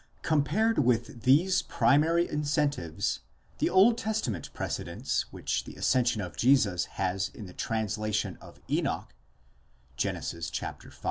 Compared with these primary incentives, the Old Testament precedents which the ascension of Jesus has in the translation of Enoch (Gen. v.